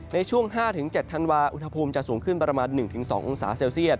ในช่วง๕๗ธันวาอุณหภูมิจะสูงขึ้นประมาณ๑๒องศาเซลเซียต